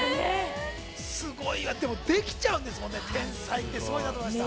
すごいわ、でも出来ちゃうんですもんね、天才ってすごいなと思いました。